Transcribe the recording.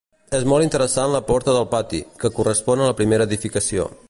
És molt interessant la porta del pati, que correspon a la primera edificació.